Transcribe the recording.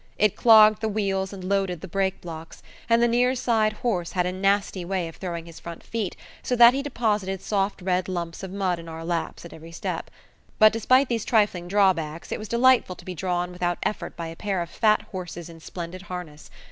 It clogged the wheels and loaded the break blocks; and the near side horse had a nasty way of throwing his front feet, so that he deposited soft red lumps of mud in our laps at every step. But, despite these trifling drawbacks, it was delightful to be drawn without effort by a pair of fat horses in splendid harness.